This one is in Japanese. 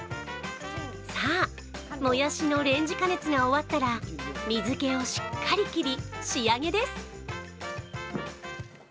さあ、もやしのレンジ加熱が終わったら水けをしっかり切り仕上げです。